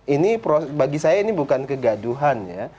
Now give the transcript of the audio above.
ini bagi saya ini bukan kegaduhan ya